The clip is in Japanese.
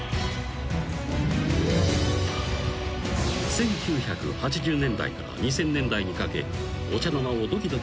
［１９８０年代から２０００年代にかけお茶の間を］